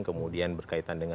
kemudian berkaitan dengan